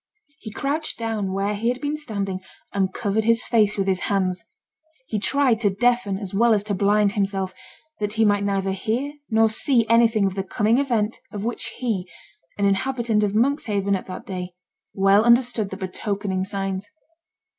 He crouched down where he had been standing and covered his face with his hands. He tried to deafen as well as to blind himself, that he might neither hear nor see anything of the coming event of which he, an inhabitant of Monkshaven at that day, well understood the betokening signs.